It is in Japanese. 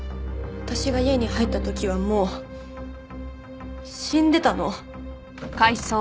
私が家に入った時はもう死んでたの！